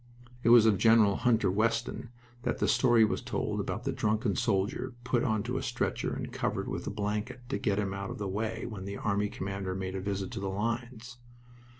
It was of Gen. Hunter Weston that the story was told about the drunken soldier put onto a stretcher and covered with a blanket, to get him out of the way when the army commander made a visit to the lines.